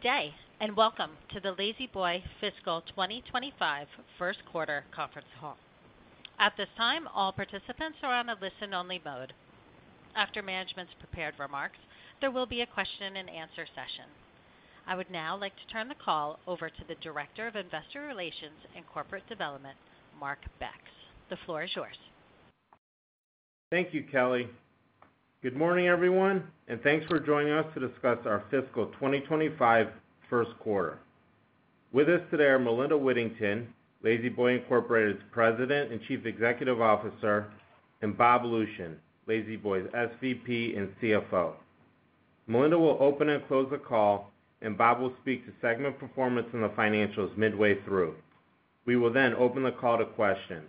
Good day, and welcome to the La-Z-Boy Fiscal 2025 First Quarter Conference Call. At this time, all participants are on a listen-only mode. After management's prepared remarks, there will be a question-and-answer session. I would now like to turn the call over to the Director of Investor Relations and Corporate Development, Mark Becks. The floor is yours. Thank you, Kelly. Good morning, everyone, and thanks for joining us to discuss our fiscal 2025 first quarter. With us today are Melinda Whittington, La-Z-Boy Incorporated's President and Chief Executive Officer, and Bob Lucian, La-Z-Boy's SVP and CFO. Melinda will open and close the call, and Bob will speak to segment performance and the financials midway through. We will then open the call to questions.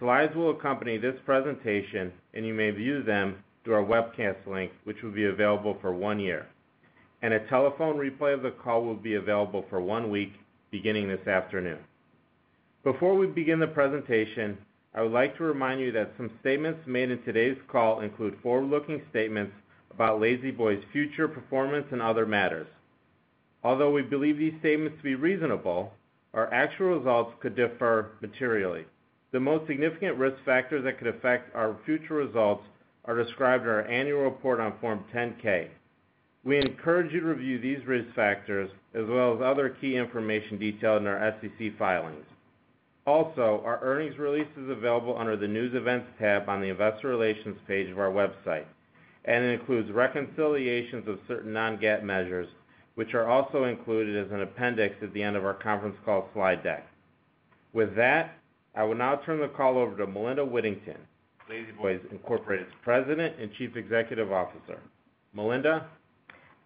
Slides will accompany this presentation, and you may view them through our webcast link, which will be available for one year, and a telephone replay of the call will be available for one week, beginning this afternoon. Before we begin the presentation, I would like to remind you that some statements made in today's call include forward-looking statements about La-Z-Boy's future performance and other matters. Although we believe these statements to be reasonable, our actual results could differ materially. The most significant risk factors that could affect our future results are described in our annual report on Form 10-K. We encourage you to review these risk factors, as well as other key information detailed in our SEC filings. Also, our earnings release is available under the News Events tab on the Investor Relations page of our website, and it includes reconciliations of certain non-GAAP measures, which are also included as an appendix at the end of our conference call slide deck. With that, I will now turn the call over to Melinda Whittington, La-Z-Boy Incorporated's President and Chief Executive Officer. Melinda?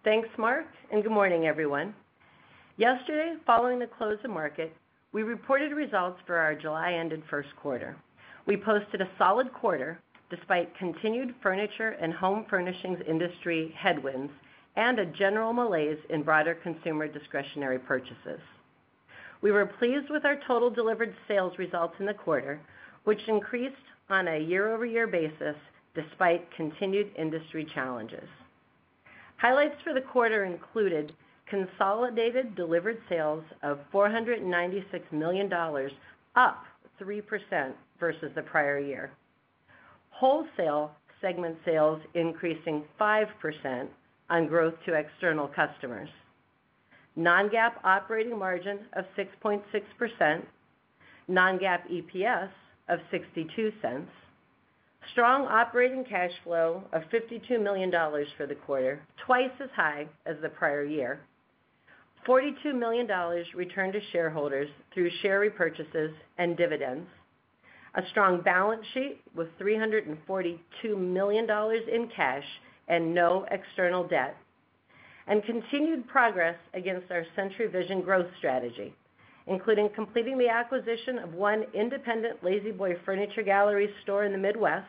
Thanks, Mark, and good morning, everyone. Yesterday, following the close of market, we reported results for our July ended first quarter. We posted a solid quarter, despite continued furniture and home furnishings industry headwinds and a general malaise in broader consumer discretionary purchases. We were pleased with our total delivered sales results in the quarter, which increased on a year-over-year basis, despite continued industry challenges. Highlights for the quarter included consolidated delivered sales of $496 million, up 3% versus the prior year. Wholesale segment sales increasing 5% on growth to external customers. Non-GAAP operating margin of 6.6%. Non-GAAP EPS of $0.62. Strong operating cash flow of $52 million for the quarter, twice as high as the prior year. $42 million returned to shareholders through share repurchases and dividends. A strong balance sheet with $342 million in cash and no external debt, and continued progress against our Century Vision growth strategy, including completing the acquisition of one independent La-Z-Boy Furniture Gallery store in the Midwest,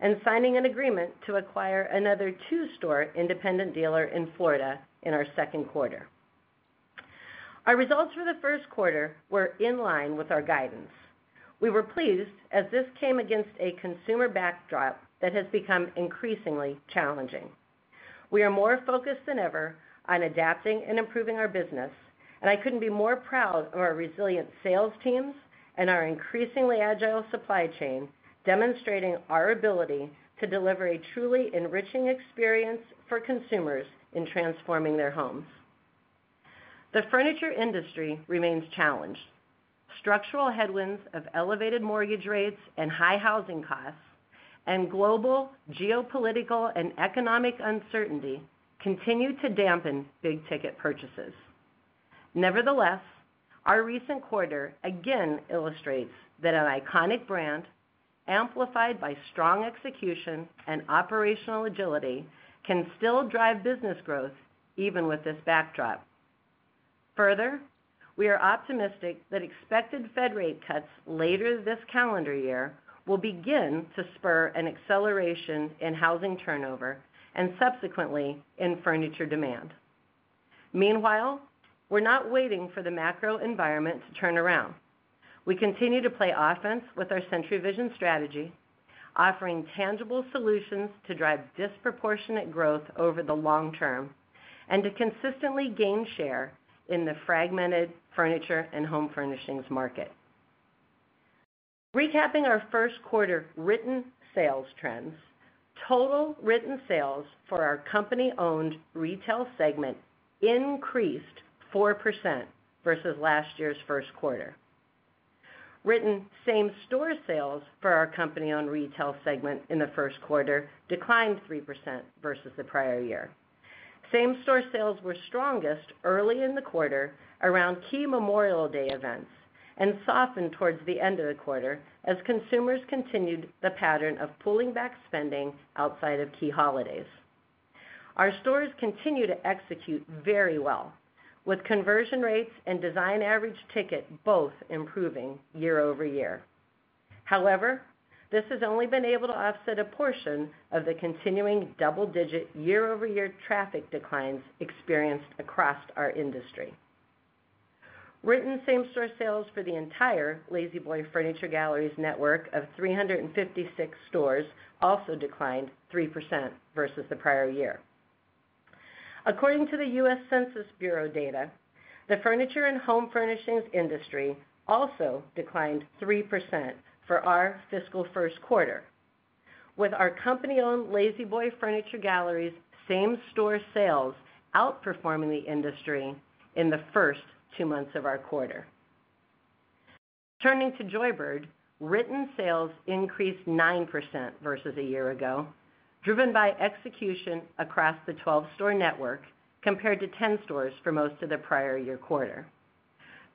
and signing an agreement to acquire another two-store independent dealer in Florida in our second quarter. Our results for the first quarter were in line with our guidance. We were pleased, as this came against a consumer backdrop that has become increasingly challenging. We are more focused than ever on adapting and improving our business, and I couldn't be more proud of our resilient sales teams and our increasingly agile supply chain, demonstrating our ability to deliver a truly enriching experience for consumers in transforming their homes. The furniture industry remains challenged. Structural headwinds of elevated mortgage rates and high housing costs, and global geopolitical and economic uncertainty continue to dampen big-ticket purchases. Nevertheless, our recent quarter again illustrates that an iconic brand, amplified by strong execution and operational agility, can still drive business growth even with this backdrop. Further, we are optimistic that expected Fed rate cuts later this calendar year will begin to spur an acceleration in housing turnover and subsequently in furniture demand. Meanwhile, we're not waiting for the macro environment to turn around. We continue to play offense with our Century Vision strategy, offering tangible solutions to drive disproportionate growth over the long term and to consistently gain share in the fragmented furniture and home furnishings market. Recapping our first quarter written sales trends, total written sales for our company-owned retail segment increased 4% versus last year's first quarter. Written same-store sales for our company-owned retail segment in the first quarter declined 3% versus the prior year. Same-store sales were strongest early in the quarter around key Memorial Day events and softened towards the end of the quarter as consumers continued the pattern of pulling back spending outside of key holidays. Our stores continue to execute very well, with conversion rates and design average ticket both improving year over year. However, this has only been able to offset a portion of the continuing double-digit year-over-year traffic declines experienced across our industry. Written same-store sales for the entire La-Z-Boy Furniture Galleries network of 356 stores also declined 3% versus the prior year. According to the US Census Bureau data, the furniture and home furnishings industry also declined 3% for our fiscal first quarter, with our company-owned La-Z-Boy Furniture Galleries same-store sales outperforming the industry in the first two months of our quarter. Turning to Joybird, written sales increased 9% versus a year ago, driven by execution across the 12-store network, compared to 10 stores for most of the prior year quarter.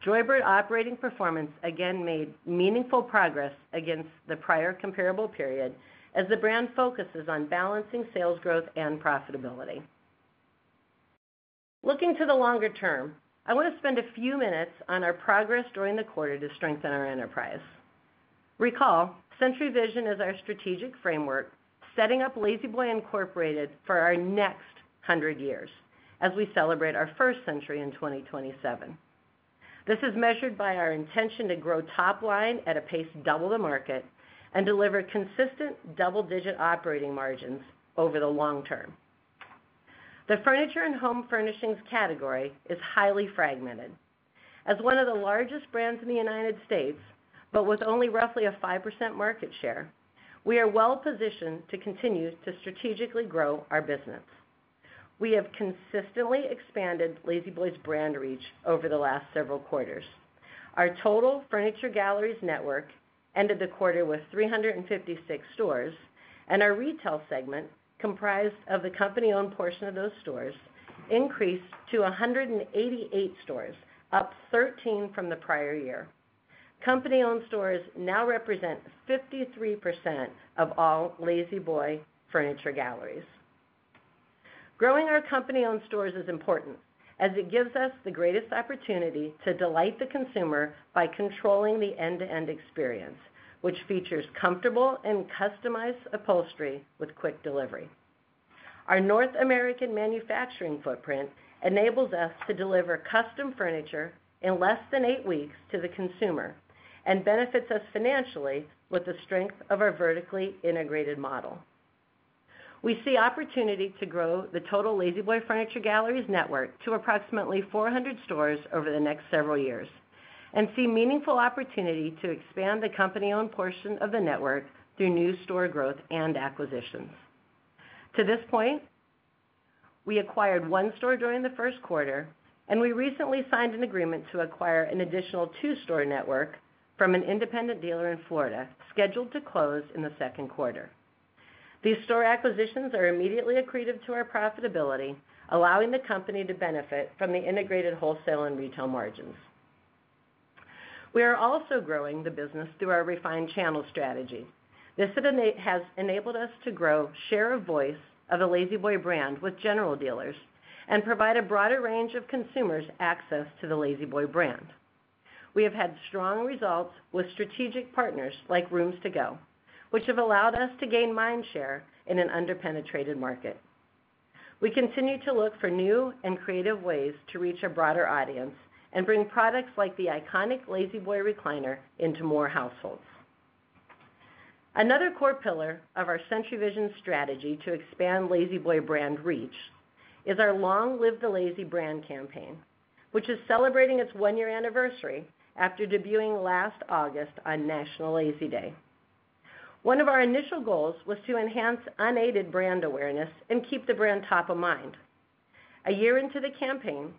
Joybird operating performance again made meaningful progress against the prior comparable period, as the brand focuses on balancing sales growth and profitability. Looking to the longer term, I want to spend a few minutes on our progress during the quarter to strengthen our enterprise. Recall, Century Vision is our strategic framework, setting up La-Z-Boy Incorporated for our next hundred years, as we celebrate our first century in 2027. This is measured by our intention to grow top line at a pace double the market and deliver consistent double-digit operating margins over the long term. The furniture and home furnishings category is highly fragmented. As one of the largest brands in the United States, but with only roughly a 5% market share, we are well positioned to continue to strategically grow our business. We have consistently expanded La-Z-Boy's brand reach over the last several quarters. Our total Furniture Galleries network ended the quarter with 356 stores, and our retail segment, comprised of the company-owned portion of those stores, increased to 188 stores, up 13 from the prior year. Company-owned stores now represent 53% of all La-Z-Boy Furniture Galleries. Growing our company-owned stores is important, as it gives us the greatest opportunity to delight the consumer by controlling the end-to-end experience, which features comfortable and customized upholstery with quick delivery. Our North American manufacturing footprint enables us to deliver custom furniture in less than eight weeks to the consumer and benefits us financially with the strength of our vertically integrated model. We see opportunity to grow the total La-Z-Boy Furniture Galleries network to approximately 400 stores over the next several years and see meaningful opportunity to expand the company-owned portion of the network through new store growth and acquisitions. To this point, we acquired one store during the first quarter, and we recently signed an agreement to acquire an additional two-store network from an independent dealer in Florida, scheduled to close in the second quarter. These store acquisitions are immediately accretive to our profitability, allowing the company to benefit from the integrated wholesale and retail margins. We are also growing the business through our refined channel strategy. This has enabled us to grow share of voice of the La-Z-Boy brand with general dealers and provide a broader range of consumers access to the La-Z-Boy brand. We have had strong results with strategic partners like Rooms To Go, which have allowed us to gain mind share in an under-penetrated market. We continue to look for new and creative ways to reach a broader audience and bring products like the iconic La-Z-Boy recliner into more households. Another core pillar of our Century Vision strategy to expand La-Z-Boy brand reach is our Long Live the Lazy brand campaign, which is celebrating its one-year anniversary after debuting last August on National Lazy Day. One of our initial goals was to enhance unaided brand awareness and keep the brand top of mind. A year into the campaign,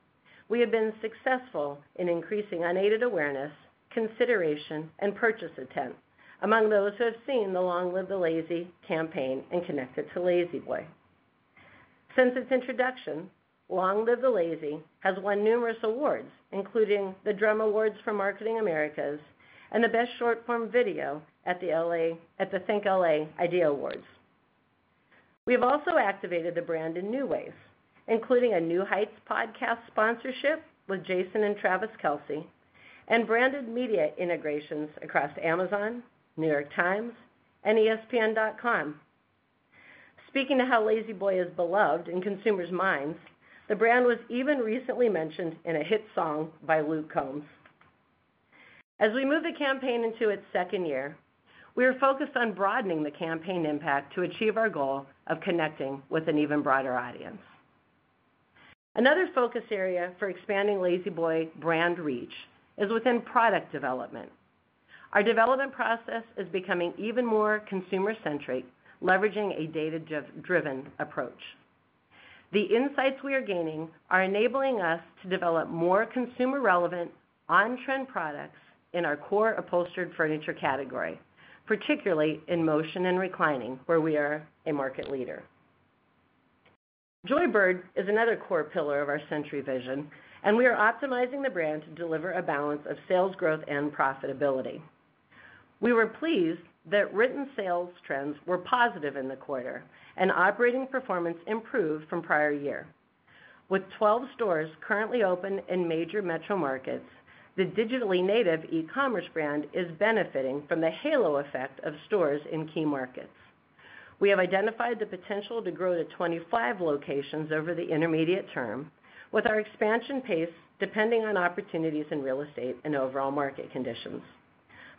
we have been successful in increasing unaided awareness, consideration, and purchase intent among those who have seen the Long Live the Lazy campaign and connect it to La-Z-Boy. Since its introduction, Long Live the Lazy has won numerous awards, including The Drum Awards for Marketing Americas and the Best Short Form Video at the ThinkLA Idea Awards. We've also activated the brand in new ways, including a New Heights podcast sponsorship with Jason and Travis Kelce, and branded media integrations across Amazon, New York Times, and ESPN.com. Speaking of how La-Z-Boy is beloved in consumers' minds, the brand was even recently mentioned in a hit song by Luke Combs. As we move the campaign into its second year, we are focused on broadening the campaign impact to achieve our goal of connecting with an even broader audience. Another focus area for expanding La-Z-Boy brand reach is within product development. Our development process is becoming even more consumer-centric, leveraging a data-driven approach. The insights we are gaining are enabling us to develop more consumer-relevant, on-trend products in our core upholstered furniture category, particularly in motion and reclining, where we are a market leader. Joybird is another core pillar of our Century Vision, and we are optimizing the brand to deliver a balance of sales growth and profitability. We were pleased that retail sales trends were positive in the quarter and operating performance improved from prior year. With twelve stores currently open in major metro markets, the digitally native e-commerce brand is benefiting from the halo effect of stores in key markets. We have identified the potential to grow to 25 locations over the intermediate term, with our expansion pace depending on opportunities in real estate and overall market conditions.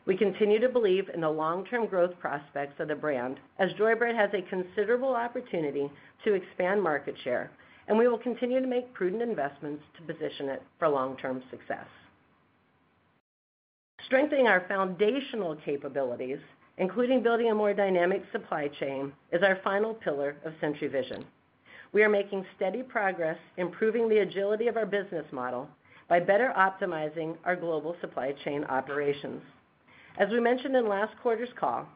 We continue to believe in the long-term growth prospects of the brand, as Joybird has a considerable opportunity to expand market share, and we will continue to make prudent investments to position it for long-term success. Strengthening our foundational capabilities, including building a more dynamic supply chain, is our final pillar of Century Vision. We are making steady progress improving the agility of our business model by better optimizing our global supply chain operations. As we mentioned in last quarter's call,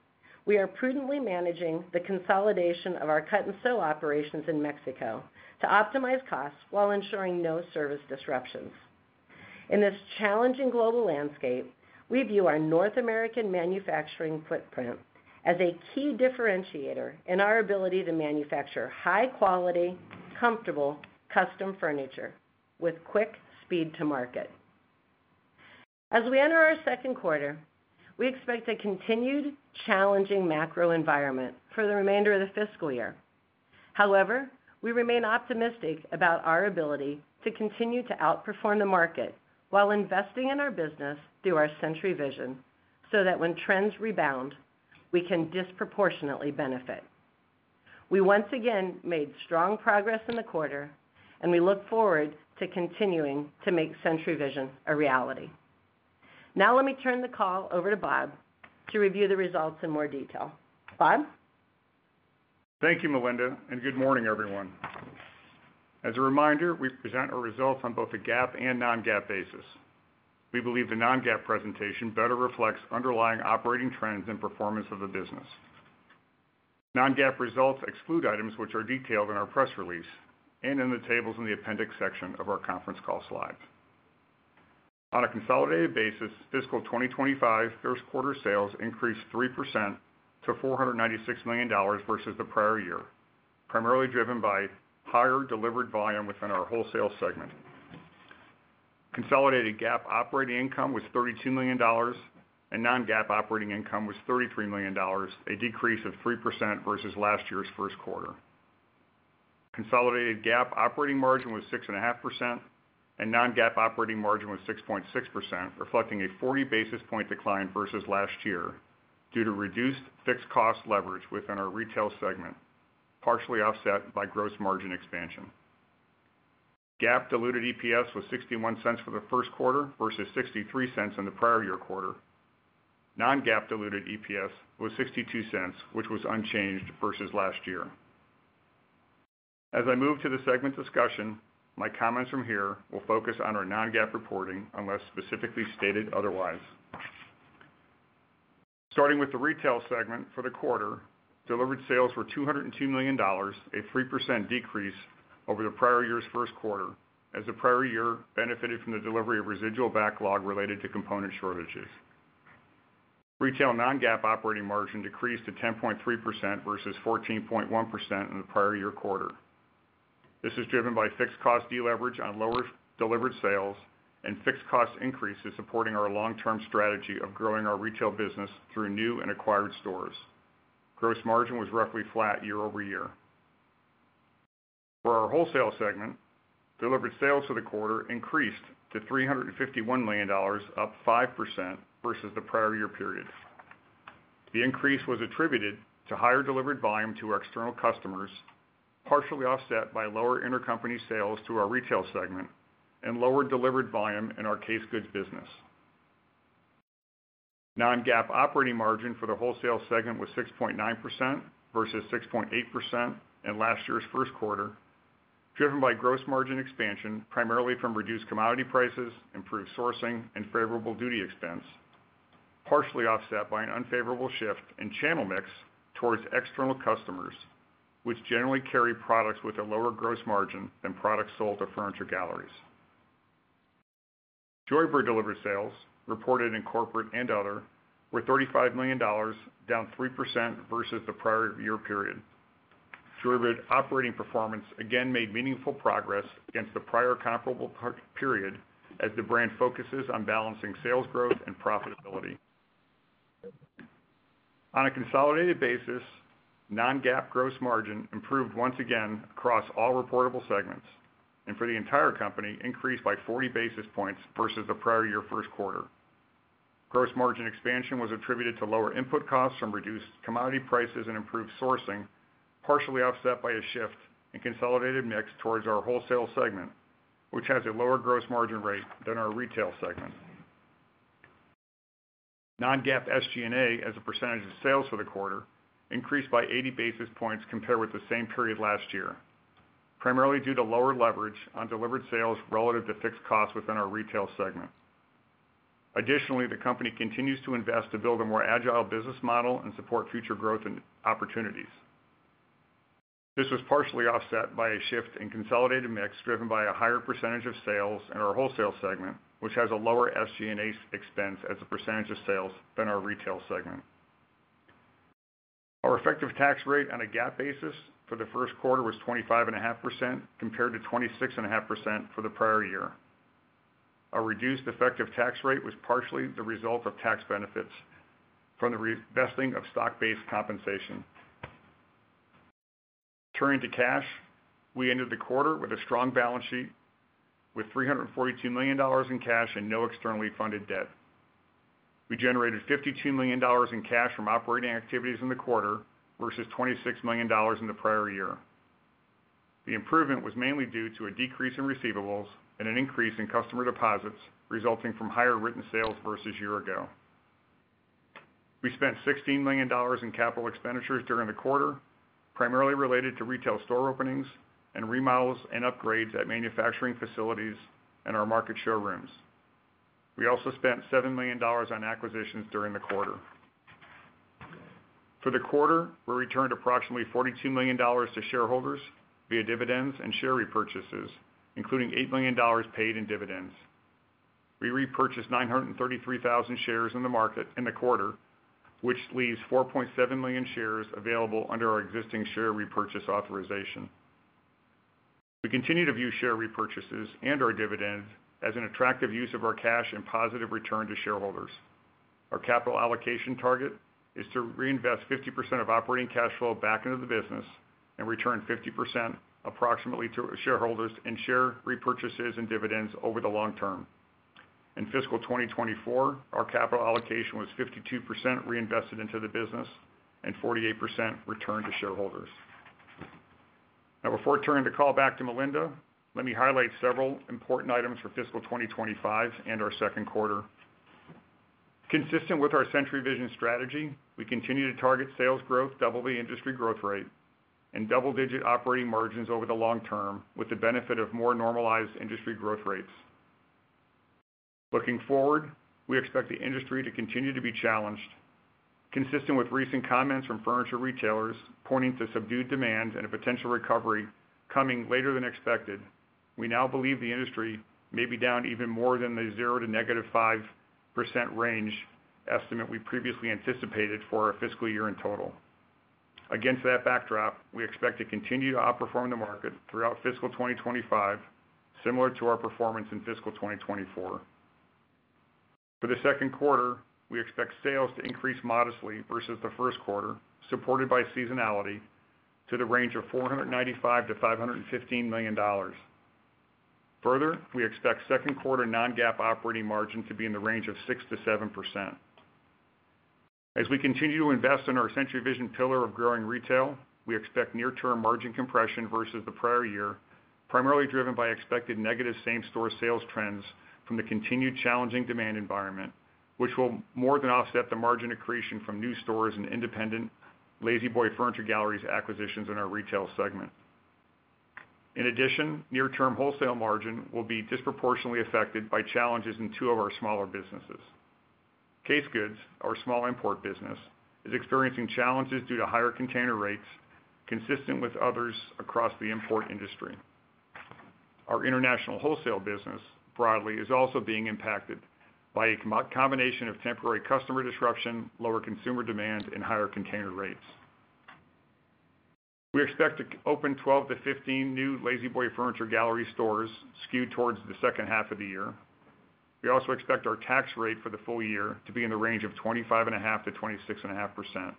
we are prudently managing the consolidation of our cut-and-sew operations in Mexico to optimize costs while ensuring no service disruptions. In this challenging global landscape, we view our North American manufacturing footprint as a key differentiator in our ability to manufacture high-quality, comfortable, custom furniture with quick speed to market. As we enter our second quarter, we expect a continued challenging macro environment for the remainder of the fiscal year. However, we remain optimistic about our ability to continue to outperform the market while investing in our business through our Century Vision, so that when trends rebound, we can disproportionately benefit. We once again made strong progress in the quarter, and we look forward to continuing to make Century Vision a reality. Now, let me turn the call over to Bob to review the results in more detail. Bob? Thank you, Melinda, and good morning, everyone. As a reminder, we present our results on both a GAAP and non-GAAP basis. We believe the non-GAAP presentation better reflects underlying operating trends and performance of the business. Non-GAAP results exclude items which are detailed in our press release and in the tables in the appendix section of our conference call slides. On a consolidated basis, fiscal 2025 first quarter sales increased 3% to $496 million versus the prior year, primarily driven by higher delivered volume within our wholesale segment. Consolidated GAAP operating income was $32 million, and non-GAAP operating income was $33 million, a decrease of 3% versus last year's first quarter. Consolidated GAAP operating margin was 6.5%, and non-GAAP operating margin was 6.6%, reflecting a 40 basis point decline versus last year due to reduced fixed cost leverage within our retail segment, partially offset by gross margin expansion. GAAP diluted EPS was $0.61 for the first quarter versus $0.63 in the prior year quarter. Non-GAAP diluted EPS was $0.62, which was unchanged versus last year. As I move to the segment discussion, my comments from here will focus on our non-GAAP reporting, unless specifically stated otherwise. Starting with the retail segment for the quarter, delivered sales were $202 million, a 3% decrease over the prior year's first quarter, as the prior year benefited from the delivery of residual backlog related to component shortages. Retail non-GAAP operating margin decreased to 10.3% versus 14.1% in the prior year quarter. This is driven by fixed cost deleverage on lower delivered sales and fixed cost increases, supporting our long-term strategy of growing our retail business through new and acquired stores. Gross margin was roughly flat year over year. For our wholesale segment, delivered sales for the quarter increased to $351 million, up 5% versus the prior year period. The increase was attributed to higher delivered volume to our external customers, partially offset by lower intercompany sales to our retail segment and lower delivered volume in our case goods business. Non-GAAP operating margin for the wholesale segment was 6.9% versus 6.8% in last year's first quarter, driven by gross margin expansion, primarily from reduced commodity prices, improved sourcing, and favorable duty expense, partially offset by an unfavorable shift in channel mix towards external customers, which generally carry products with a lower gross margin than products sold to furniture galleries. Joybird delivered sales, reported in corporate and other, were $35 million, down 3% versus the prior year period. Joybird operating performance again made meaningful progress against the prior comparable period, as the brand focuses on balancing sales growth and profitability. On a consolidated basis, non-GAAP gross margin improved once again across all reportable segments, and for the entire company, increased by 40 basis points versus the prior year first quarter. Gross margin expansion was attributed to lower input costs from reduced commodity prices and improved sourcing, partially offset by a shift in consolidated mix towards our wholesale segment, which has a lower gross margin rate than our retail segment. Non-GAAP SG&A, as a percentage of sales for the quarter, increased by 80 basis points compared with the same period last year, primarily due to lower leverage on delivered sales relative to fixed costs within our retail segment. Additionally, the company continues to invest to build a more agile business model and support future growth and opportunities. This was partially offset by a shift in consolidated mix, driven by a higher percentage of sales in our wholesale segment, which has a lower SG&A expense as a percentage of sales than our retail segment. Our effective tax rate on a GAAP basis for the first quarter was 25.5%, compared to 26.5% for the prior year. Our reduced effective tax rate was partially the result of tax benefits from the re-vesting of stock-based compensation. Turning to cash, we ended the quarter with a strong balance sheet, with $342 million in cash and no externally funded debt. We generated $52 million in cash from operating activities in the quarter, versus $26 million in the prior year. The improvement was mainly due to a decrease in receivables and an increase in customer deposits, resulting from higher written sales versus year ago. We spent $16 million in capital expenditures during the quarter, primarily related to retail store openings and remodels and upgrades at manufacturing facilities and our market showrooms. We also spent $7 million on acquisitions during the quarter. For the quarter, we returned approximately $42 million to shareholders via dividends and share repurchases, including $8 million paid in dividends. We repurchased 933,000 shares in the market in the quarter, which leaves 4.7 million shares available under our existing share repurchase authorization. We continue to view share repurchases and our dividends as an attractive use of our cash and positive return to shareholders. Our capital allocation target is to reinvest 50% of operating cash flow back into the business and return 50% approximately to shareholders in share repurchases and dividends over the long term. In fiscal 2024, our capital allocation was 52% reinvested into the business and 48% returned to shareholders. Now, before turning the call back to Melinda, let me highlight several important items for fiscal 2025 and our second quarter. Consistent with our Century Vision strategy, we continue to target sales growth, double the industry growth rate, and double-digit operating margins over the long term, with the benefit of more normalized industry growth rates. Looking forward, we expect the industry to continue to be challenged. Consistent with recent comments from furniture retailers pointing to subdued demand and a potential recovery coming later than expected, we now believe the industry may be down even more than the 0% to -5% range estimate we previously anticipated for our fiscal year in total. Against that backdrop, we expect to continue to outperform the market throughout fiscal 2025, similar to our performance in fiscal 2024. For the second quarter, we expect sales to increase modestly versus the first quarter, supported by seasonality to the range of $495 million to $515 million. Further, we expect second quarter non-GAAP operating margin to be in the range of 6% to 7%. As we continue to invest in our Century Vision pillar of growing retail, we expect near-term margin compression versus the prior year, primarily driven by expected negative same-store sales trends from the continued challenging demand environment, which will more than offset the margin accretion from new stores and independent La-Z-Boy Furniture Galleries acquisitions in our retail segment. In addition, near-term wholesale margin will be disproportionately affected by challenges in two of our smaller businesses. Casegoods, our small import business, is experiencing challenges due to higher container rates, consistent with others across the import industry. Our international wholesale business, broadly, is also being impacted by a combination of temporary customer disruption, lower consumer demand, and higher container rates. We expect to open 12 to 15 new La-Z-Boy Furniture Galleries stores skewed towards the second half of the year. We also expect our tax rate for the full year to be in the range of 25.5% to 26.5%.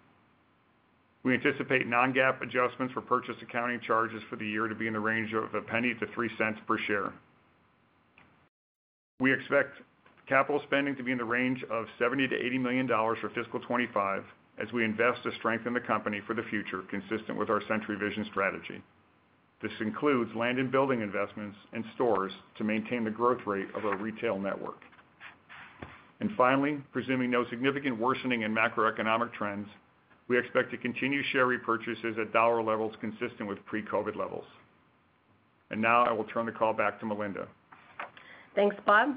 We anticipate non-GAAP adjustments for purchase accounting charges for the year to be in the range of $0.01 to $0.03 per share. We expect capital spending to be in the range of $70 to $80 million for fiscal 2025, as we invest to strengthen the company for the future, consistent with our Century Vision strategy. This includes land and building investments in stores to maintain the growth rate of our retail network. And finally, presuming no significant worsening in macroeconomic trends, we expect to continue share repurchases at dollar levels consistent with pre-COVID levels. And now I will turn the call back to Melinda. Thanks, Bob.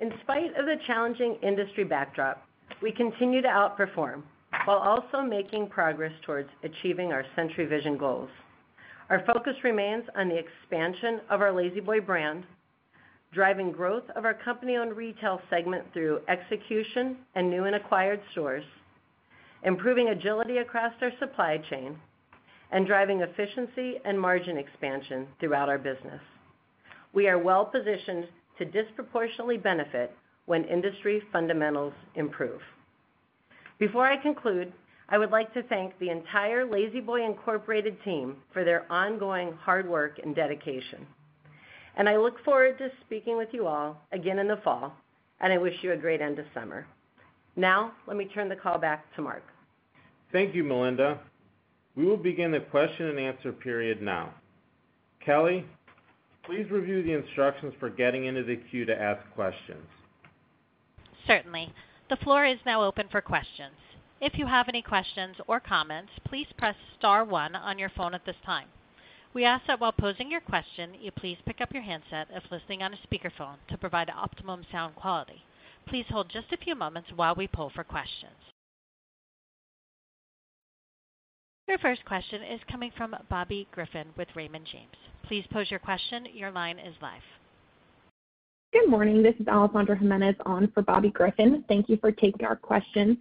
In spite of the challenging industry backdrop, we continue to outperform while also making progress towards achieving our Century Vision goals. Our focus remains on the expansion of our La-Z-Boy brand, driving growth of our company-owned retail segment through execution and new and acquired stores, improving agility across our supply chain, and driving efficiency and margin expansion throughout our business. We are well positioned to disproportionately benefit when industry fundamentals improve. Before I conclude, I would like to thank the entire La-Z-Boy Incorporated team for their ongoing hard work and dedication, and I look forward to speaking with you all again in the fall, and I wish you a great end of summer. Now, let me turn the call back to Mark. Thank you, Melinda. We will begin the question and answer period now. Kelly, please review the instructions for getting into the queue to ask questions. Certainly. The floor is now open for questions. If you have any questions or comments, please press star one on your phone at this time. We ask that while posing your question, you please pick up your handset if listening on a speakerphone to provide optimum sound quality. Please hold just a few moments while we poll for questions. Your first question is coming from Bobby Griffin with Raymond James. Please pose your question. Your line is live. Good morning. This is Alessandra Jimenez on for Bobby Griffin. Thank you for taking our question.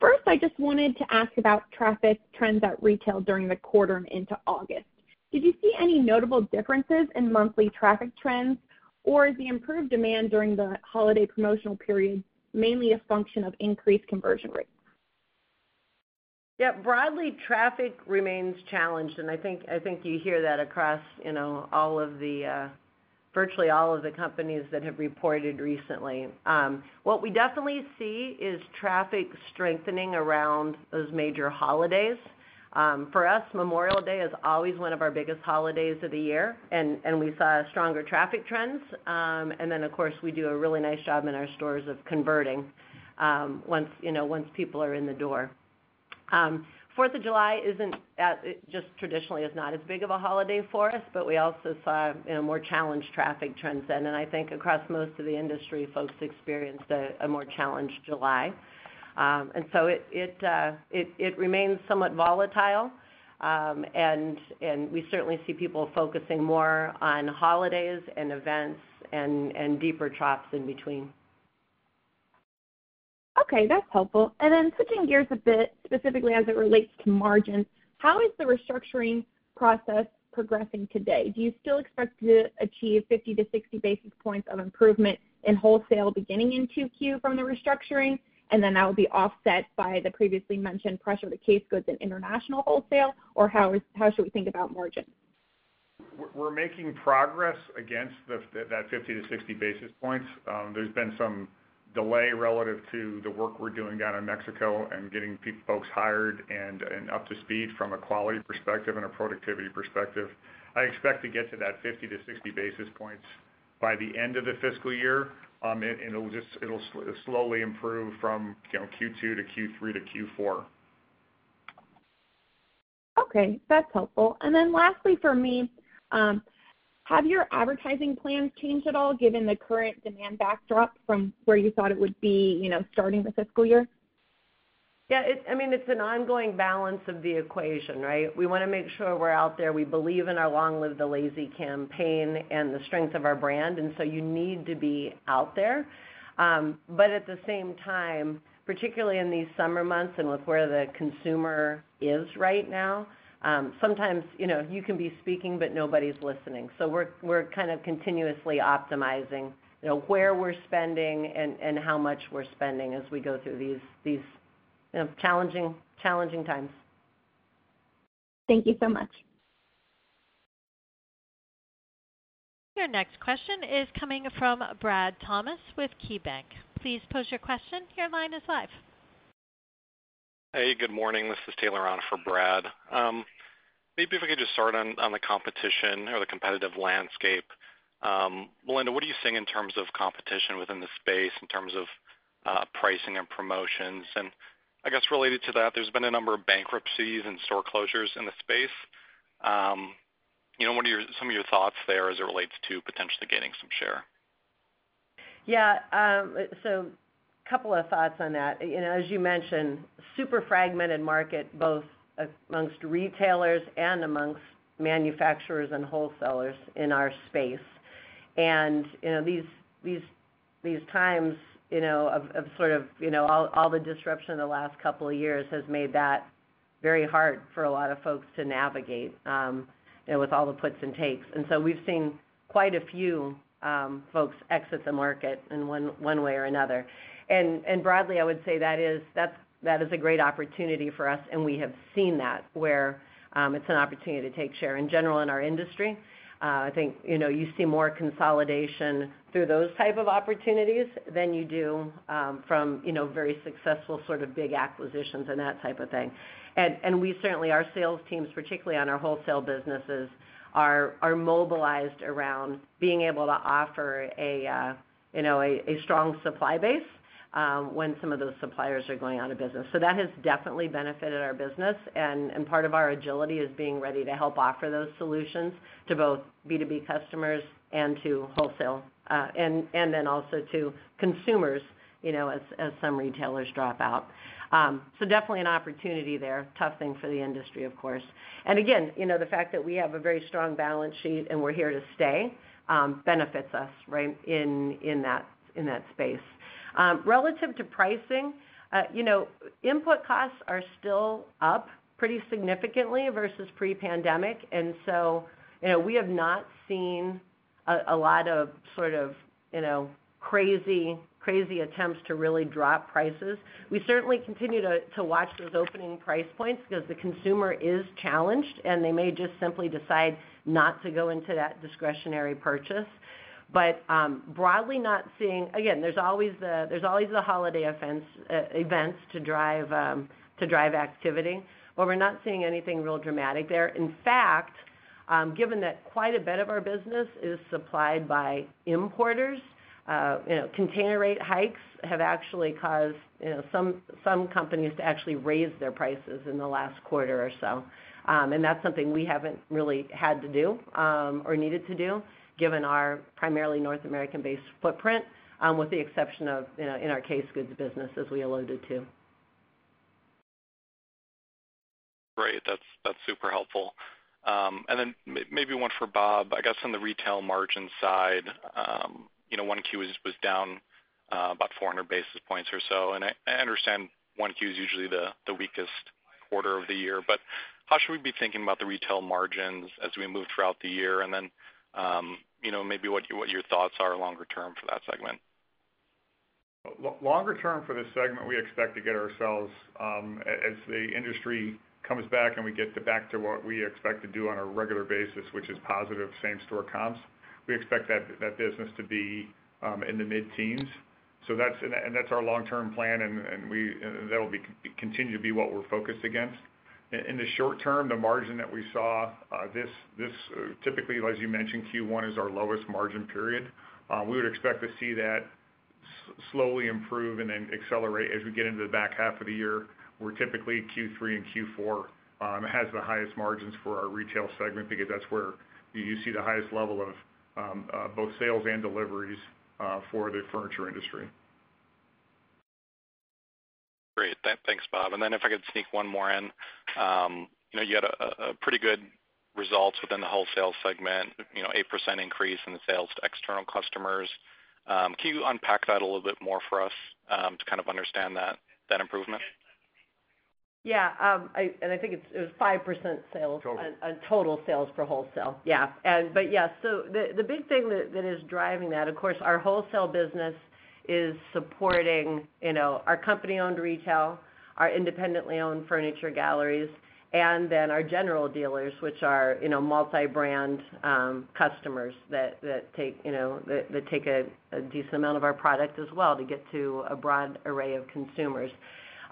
First, I just wanted to ask about traffic trends at retail during the quarter and into August. Did you see any notable differences in monthly traffic trends, or is the improved demand during the holiday promotional period mainly a function of increased conversion rates? Yeah, broadly, traffic remains challenged, and I think you hear that across, you know, all of the, virtually all of the companies that have reported recently. What we definitely see is traffic strengthening around those major holidays. For us, Memorial Day is always one of our biggest holidays of the year, and we saw stronger traffic trends. And then, of course, we do a really nice job in our stores of converting, once, you know, once people are in the door. Fourth of July isn't just traditionally is not as big of a holiday for us, but we also saw, you know, more challenged traffic trends then. And I think across most of the industry, folks experienced a more challenged July. And so it remains somewhat volatile, and we certainly see people focusing more on holidays and events and deeper troughs in between. Okay, that's helpful. And then switching gears a bit, specifically as it relates to margin, how is the restructuring process progressing today? Do you still expect to achieve fifty to sixty basis points of improvement in wholesale beginning in 2Q from the restructuring, and then that will be offset by the previously mentioned pressure of the case goods and international wholesale, or how should we think about margin? We're making progress against that fifty to sixty basis points. There's been some delay relative to the work we're doing down in Mexico and getting folks hired and up to speed from a quality perspective and a productivity perspective. I expect to get to that fifty to sixty basis points by the end of the fiscal year, and it'll just slowly improve from, you know, Q2 to Q3 to Q4. Okay, that's helpful. And then lastly for me, have your advertising plans changed at all, given the current demand backdrop from where you thought it would be, you know, starting the fiscal year? Yeah, I mean, it's an ongoing balance of the equation, right? We wanna make sure we're out there. We believe in our Long Live the Lazy campaign and the strength of our brand, and so you need to be out there. But at the same time, particularly in these summer months and with where the consumer is right now, sometimes, you know, you can be speaking, but nobody's listening. So we're kind of continuously optimizing, you know, where we're spending and how much we're spending as we go through these, you know, challenging times. Thank you so much. Your next question is coming from Brad Thomas with KeyBank. Please pose your question. Your line is live. Hey, good morning. This is Taylor on for Brad. Maybe if we could just start on the competition or the competitive landscape. Melinda, what are you seeing in terms of competition within the space, in terms of pricing and promotions? And I guess related to that, there's been a number of bankruptcies and store closures in the space. You know, what are some of your thoughts there as it relates to potentially gaining some share? Yeah, so couple of thoughts on that. You know, as you mentioned, super fragmented market, both among retailers and among manufacturers and wholesalers in our space. And, you know, these times, you know, of sort of, you know, all the disruption in the last couple of years has made that very hard for a lot of folks to navigate, you know, with all the puts and takes. And so we've seen quite a few folks exit the market in one way or another. And broadly, I would say that is. That's, that is a great opportunity for us, and we have seen that, where it's an opportunity to take share. In general, in our industry, I think, you know, you see more consolidation through those type of opportunities than you do from, you know, very successful sort of big acquisitions and that type of thing, and we certainly our sales teams, particularly on our wholesale businesses, are mobilized around being able to offer a, you know, a strong supply base when some of those suppliers are going out of business, so that has definitely benefited our business, and part of our agility is being ready to help offer those solutions to both B2B customers and to wholesale and then also to consumers, you know, as some retailers drop out, so definitely an opportunity there. Tough thing for the industry, of course. And again, you know, the fact that we have a very strong balance sheet and we're here to stay, benefits us, right, in that space. Relative to pricing, you know, input costs are still up pretty significantly versus pre-pandemic, and so, you know, we have not seen a lot of sort of, you know, crazy, crazy attempts to really drop prices. We certainly continue to watch those opening price points because the consumer is challenged, and they may just simply decide not to go into that discretionary purchase. But broadly not seeing. Again, there's always the holiday offense events to drive activity, but we're not seeing anything real dramatic there. In fact, given that quite a bit of our business is supplied by importers, you know, container rate hikes have actually caused, you know, some companies to actually raise their prices in the last quarter or so. And that's something we haven't really had to do, or needed to do, given our primarily North American-based footprint, with the exception of, you know, in our case goods business, as we alluded to. Great. That's, that's super helpful. And then maybe one for Bob. I guess on the retail margin side, you know, one Q was down, about 400 basis points or so, and I understand one Q is usually the weakest quarter of the year, but how should we be thinking about the retail margins as we move throughout the year? And then, you know, maybe what your thoughts are longer term for that segment? Longer term for this segment, we expect to get ourselves, as the industry comes back and we get back to what we expect to do on a regular basis, which is positive same-store comps, we expect that business to be in the mid-teens. So that's, and that's our long-term plan, and that'll be continue to be what we're focused against. In the short term, the margin that we saw this, typically, as you mentioned, Q1 is our lowest margin period. We would expect to see that slowly improve and then accelerate as we get into the back half of the year, where typically Q3 and Q4 has the highest margins for our retail segment because that's where you see the highest level of both sales and deliveries for the furniture industry. Great. Thanks, Bob. And then if I could sneak one more in. You know, you had a pretty good results within the wholesale segment, you know, 8% increase in the sales to external customers. Can you unpack that a little bit more for us, to kind of understand that improvement? Yeah, and I think it's- it was 5% sales- Total. Total sales for wholesale, yeah. But yeah, so the big thing that is driving that, of course, our wholesale business is supporting, you know, our company-owned retail, our independently owned furniture galleries, and then our general dealers, which are, you know, multi-brand customers that take, you know, that take a decent amount of our product as well to get to a broad array of consumers.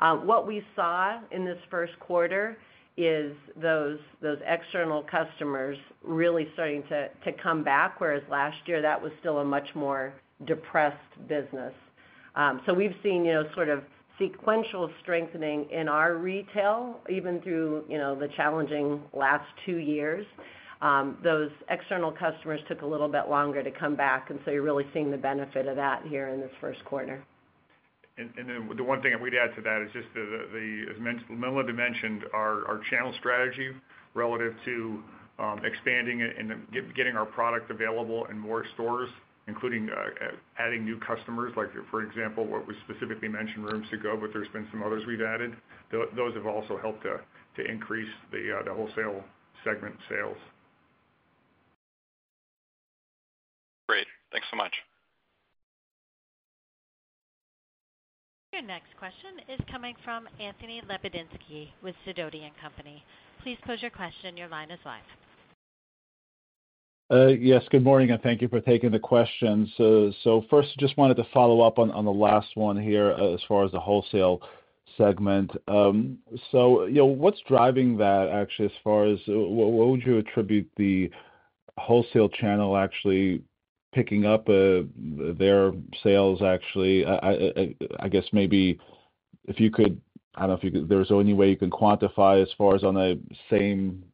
What we saw in this first quarter is those external customers really starting to come back, whereas last year, that was still a much more depressed business. So we've seen, you know, sort of sequential strengthening in our retail, even through, you know, the challenging last two years. Those external customers took a little bit longer to come back, and so you're really seeing the benefit of that here in this first quarter. The one thing I would add to that is just the, as Melinda mentioned, our channel strategy relative to expanding it and then getting our product available in more stores, including adding new customers. Like, for example, what we specifically mentioned, Rooms To Go, but there's been some others we've added. Those have also helped to increase the wholesale segment sales. Great, thanks so much. Your next question is coming from Anthony Lebiedzinski with Sidoti & Company. Please pose your question. Your line is live. Yes, good morning, and thank you for taking the questions. So first, just wanted to follow up on the last one here, as far as the wholesale segment. So, you know, what's driving that, actually, as far as what would you attribute the wholesale channel actually picking up their sales actually? I guess maybe if you could, I don't know if you could there was any way you could quantify as far as on a same store. You know,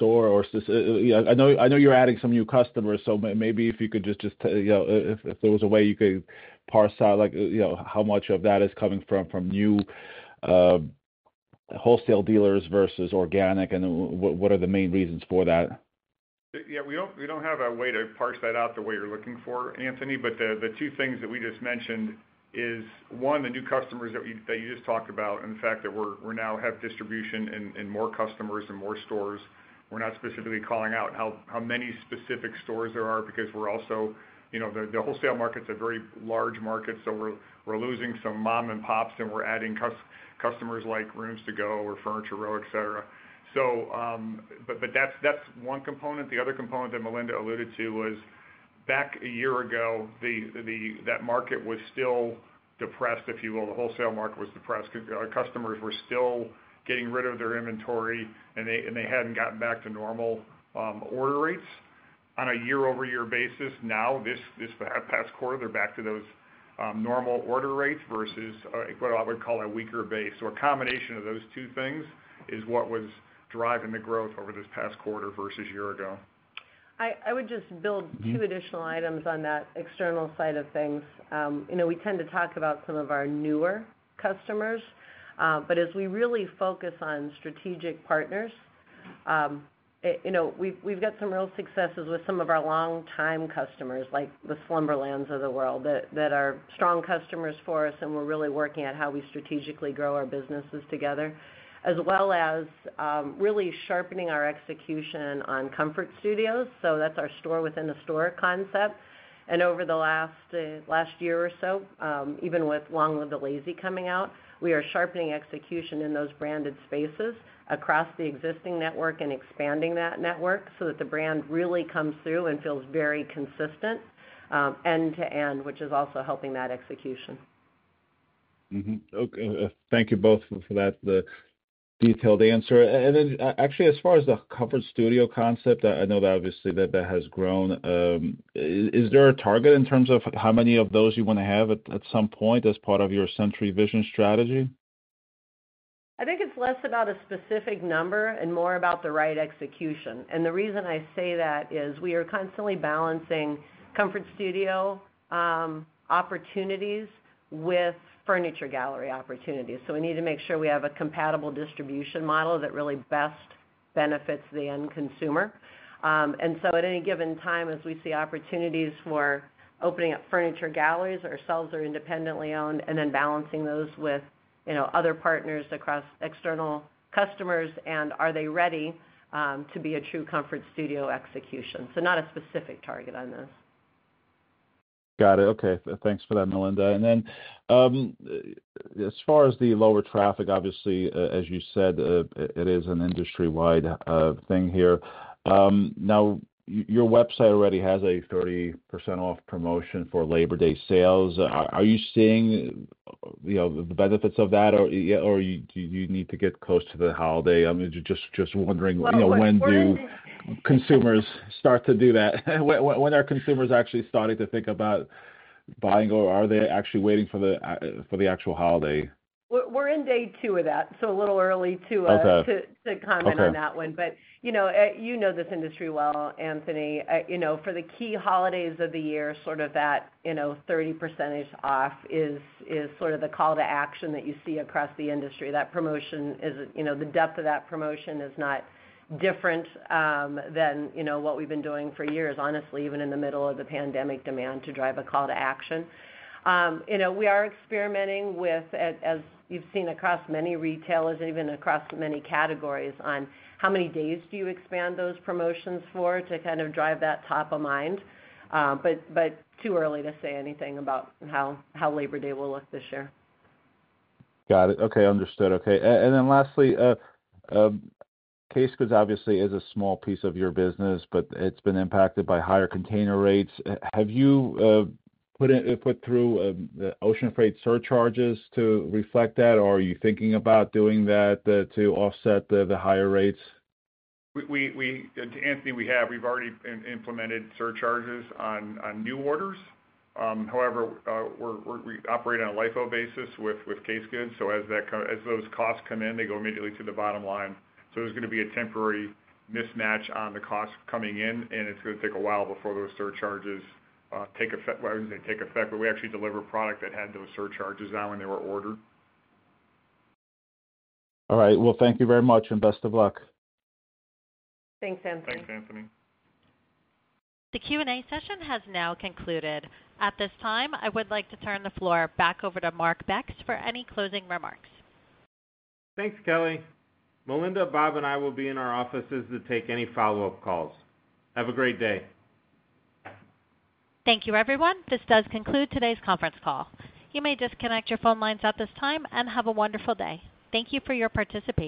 I know you're adding some new customers, so maybe if you could just, you know, if there was a way you could parse out, like, you know, how much of that is coming from new wholesale dealers versus organic, and what are the main reasons for that? Yeah, we don't have a way to parse that out the way you're looking for, Anthony. But the two things that we just mentioned is, one, the new customers that we- that you just talked about, and the fact that we're, we now have distribution and, and more customers and more stores. We're not specifically calling out how many specific stores there are, because we're also, you know, the wholesale market's a very large market, so we're losing some mom and pops, and we're adding customers like Rooms To Go or Furniture Row, et cetera. So, but that's one component. The other component that Melinda alluded to was, back a year ago, that market was still depressed, if you will. The wholesale market was depressed. Our customers were still getting rid of their inventory, and they hadn't gotten back to normal order rates. On a year-over-year basis, now, this past quarter, they're back to those normal order rates versus what I would call a weaker base, or a combination of those two things is what was driving the growth over this past quarter versus a year ago. I would just build- Mm-hmm. two additional items on that external side of things. You know, we tend to talk about some of our newer customers, but as we really focus on strategic partners, you know, we've got some real successes with some of our longtime customers, like the Slumberland of the world, that are strong customers for us, and we're really working at how we strategically grow our businesses together. As well as, really sharpening our execution on Comfort Studio, so that's our store within a store concept. And over the last year or so, even with Long Live the Lazy coming out, we are sharpening execution in those branded spaces across the existing network and expanding that network so that the brand really comes through and feels very consistent, end to end, which is also helping that execution. Mm-hmm. Okay, thank you both for that, the detailed answer. And then, actually, as far as the Comfort Studio concept, I know that obviously that has grown. Is there a target in terms of how many of those you wanna have at some point as part of your Century Vision strategy? I think it's less about a specific number and more about the right execution. And the reason I say that is we are constantly balancing Comfort Studio opportunities with Furniture Gallery opportunities. So we need to make sure we have a compatible distribution model that really benefits the end consumer. And so at any given time, as we see opportunities for opening up furniture galleries, ourselves are independently owned, and then balancing those with, you know, other partners across external customers, and are they ready to be a true Comfort Studio execution? So not a specific target on this. Got it. Okay. Thanks for that, Melinda. And then, as far as the lower traffic, obviously, as you said, it is an industry-wide thing here. Now your website already has a 30% off promotion for Labor Day sales. Are you seeing, you know, the benefits of that, or do you need to get close to the holiday? I mean, just wondering, when do consumers start to do that? When are consumers actually starting to think about buying, or are they actually waiting for the actual holiday? We're in day two of that, so a little early to- Okay... to comment on that one. Okay. But you know this industry well, Anthony. You know, for the key holidays of the year, sort of that 30% off is sort of the call to action that you see across the industry. That promotion is, you know, the depth of that promotion is not different than what we've been doing for years. Honestly, even in the middle of the pandemic demand, to drive a call to action. You know, we are experimenting with, as you've seen across many retailers and even across many categories, on how many days do you expand those promotions for to kind of drive that top of mind? But too early to say anything about how Labor Day will look this year. Got it. Okay, understood. Okay. And then lastly, case goods obviously is a small piece of your business, but it's been impacted by higher container rates. Have you put through the ocean freight surcharges to reflect that? Or are you thinking about doing that to offset the higher rates? Anthony, we have. We've already implemented surcharges on new orders. However, we operate on a LIFO basis with case goods, so as those costs come in, they go immediately to the bottom line. So there's gonna be a temporary mismatch on the costs coming in, and it's gonna take a while before those surcharges take effect. I wouldn't say take effect, but we actually deliver product that had those surcharges on when they were ordered. All right. Well, thank you very much, and best of luck. Thanks, Anthony. Thanks, Anthony. The Q&A session has now concluded. At this time, I would like to turn the floor back over to Mark Becks for any closing remarks. Thanks, Kelly. Melinda, Bob, and I will be in our offices to take any follow-up calls. Have a great day. Thank you, everyone. This does conclude today's conference call. You may disconnect your phone lines at this time, and have a wonderful day. Thank you for your participation.